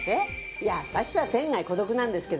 いや私は天涯孤独なんですけどね。